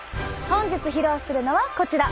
本日披露するのはこちら。